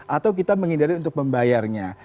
atau kita menghindari untuk membayarnya